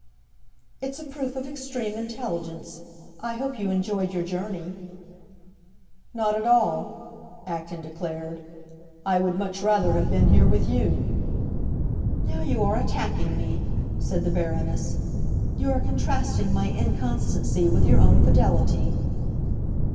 "It's a proof of extreme intelligence. I hope you enjoyed your journey." "Not at all," Acton declared. "I would much rather have been here with you." "Now you are attacking me," said the Baroness. "You are contrasting my inconstancy with your own fidelity."